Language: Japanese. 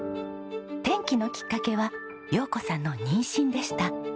転機のきっかけは陽子さんの妊娠でした。